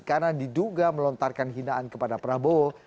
karena diduga melontarkan hinaan kepada prabowo